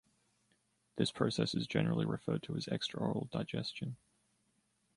This process is generally referred to as extraoral digestion.